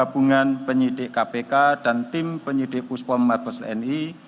hubungan penyidik kpk dan tim penyidik puspo mabes lni